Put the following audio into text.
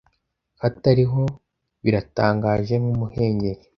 hatariho biratangaje nkumuhengeri